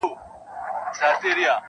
• سړي و ویل قاضي ته زما بادار یې..